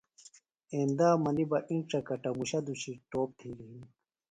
ایندا منیۡ بہ اِنڇہ کٹموشہ دُشیۡ ٹوپ تِھیلیۡ ہنیۡ